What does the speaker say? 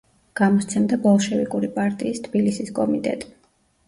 გამოსცემდა ბოლშევიკური პარტიის თბილისის კომიტეტი.